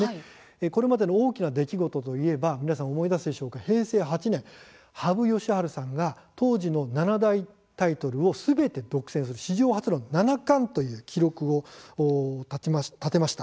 これまでの大きな出来事といえば平成８年、羽生善治さんが当時の七大タイトルをすべて独占する史上初の七冠という記録を立てました。